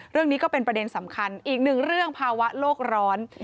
เรื่องนี้ก็เป็นประเด็นสำคัญอีกหนึ่งเรื่องภาวะโลกร้อน